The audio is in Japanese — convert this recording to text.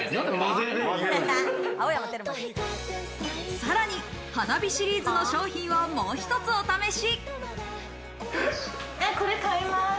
さらにＨＡＮＡＢＩシリーズの商品をもう一つお試し。